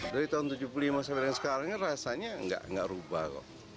dari tahun seribu sembilan ratus tujuh puluh lima sampai dengan sekarang kan rasanya nggak rubah kok